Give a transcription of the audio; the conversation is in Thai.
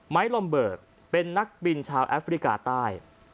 ลอมเบิกเป็นนักบินชาวแอฟริกาใต้